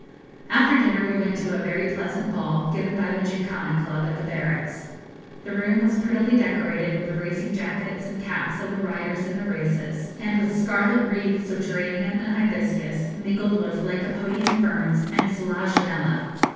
After dinner we went to a very pleasant ball, given by the Jinkhana Club, at the barracks. The room was prettily decorated with the racing jackets and caps of the riders in the races, and with scarlet wreaths of geranium and hibiscus mingled with lycopodium ferns and selaginella.